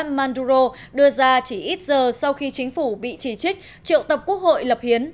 manduro đưa ra chỉ ít giờ sau khi chính phủ bị chỉ trích triệu tập quốc hội lập hiến